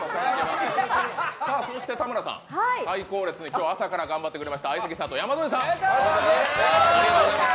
そして田村さん、最後列に今日朝から頑張ってくれました、相席スタート・山添さんありがとうございます。